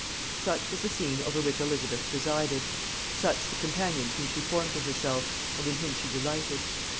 ] Such was the scene over which Elizabeth presided; such the companions whom she formed to herself, and in whom she delighted!